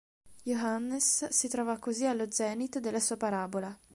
Johannes si trovò così allo zenit della sua parabola.